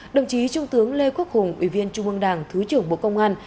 đồng chí trung tướng lê quốc hùng ủy viên trung ương đảng thứ trưởng bộ công an